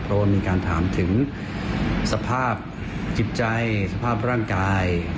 เพราะว่ามีการถามถึงสภาพจิตใจสภาพร่างกาย